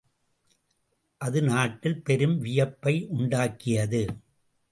அது நாட்டில் பெரும் வியப்பை உண்டாக்கியது.